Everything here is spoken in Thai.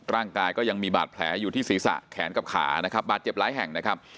ร่างกายก็ยังมีบาดแผลอยู่ที่ศีรษะแขนกับขานะครับบาดเจ็บหลายแห่งนะครับ